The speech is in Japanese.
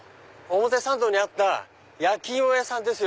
表参道にあった焼き芋屋さんですよ。